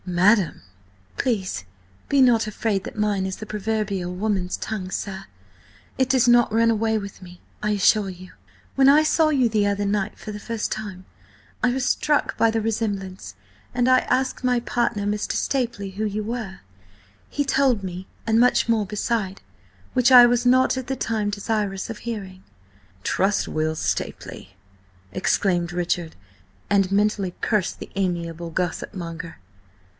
"Madam!" "Please be not afraid that mine is the proverbial woman's tongue, sir. It does not run away with me, I assure you. When I saw you the other night for the first time, I was struck by the resemblance, and I asked my partner, Mr. Stapely, who you were. He told me, and much more beside, which I was not at the time desirous of hearing." "Trust Will Stapely!" exclaimed Richard, and mentally cursed the amiable gossip monger.